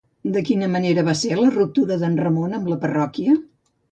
De quina manera va ser la ruptura d'en Ramon amb la parròquia?